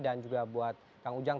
dan juga buat kang ujang